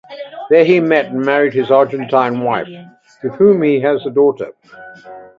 There he met and married his Argentine wife, with whom he has a daughter.